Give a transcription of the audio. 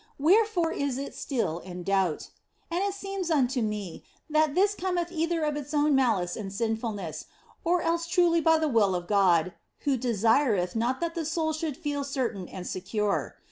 Wherefore is it still in doubt. And it seemeth unto me that this cometh either of its own malice and sinfulness, or else truly by the will of God, who desireth not that the soul should feel certain and secure.